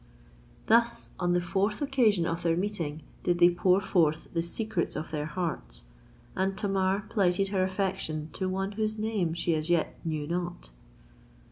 Thus, on the fourth occasion of their meeting, did they pour fourth the secrets of their hearts; and Tamar plighted her affection to one whose name she as yet knew not!